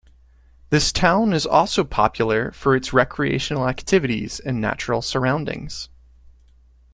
This town is also popular for its recreational activities and natural surroundings.